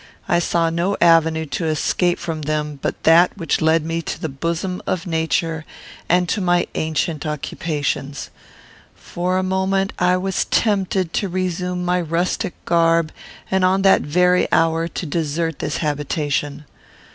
I saw no avenue to escape from them but that which led me to the bosom of nature and to my ancient occupations. For a moment I was tempted to resume my rustic garb, and, on that very hour, to desert this habitation.